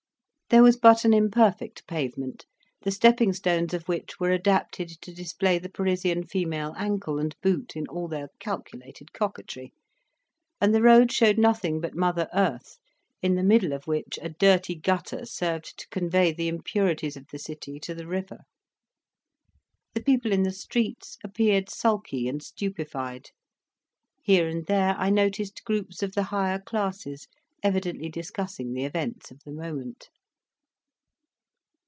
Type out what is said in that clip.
There was but an imperfect pavement, the stepping stones of which were adapted to display the Parisian female ankle and boot in all their calculated coquetry; and the road showed nothing but mother earth, in the middle of which a dirty gutter served to convey the impurities of the city to the river. The people in the streets appeared sulky and stupefied: here and there I noticed groups of the higher classes evidently discussing the events of the moment.